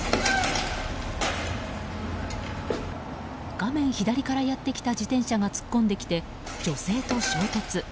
画面左からやってきた自転車が突っ込んできて女性と衝突。